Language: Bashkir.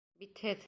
Битһеҙ!